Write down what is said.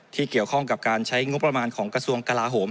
ที่เกี่ยวข้องกับการใช้งบประมาณของกระทรวงกลาโหม